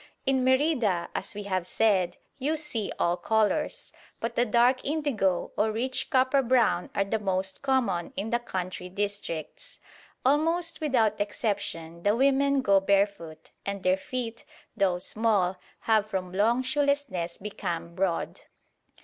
In Merida, as we have said, you see all colours; but a dark indigo or rich copper brown are the most common in the country districts. Almost without exception the women go barefoot, and their feet, though small, have from long shoelessness become broad.